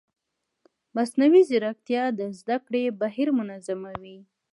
مصنوعي ځیرکتیا د زده کړې بهیر منظموي.